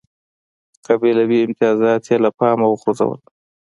قبیلوي امتیازات یې له پامه وغورځول.